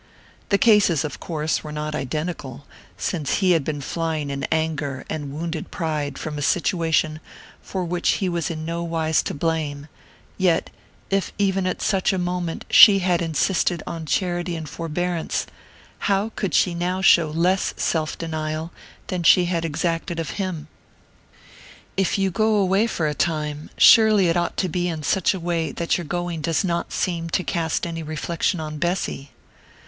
The cases, of course, were not identical, since he had been flying in anger and wounded pride from a situation for which he was in no wise to blame; yet, if even at such a moment she had insisted on charity and forbearance, how could she now show less self denial than she had exacted of him? "If you go away for a time, surely it ought to be in such a way that your going does not seem to cast any reflection on Bessy...."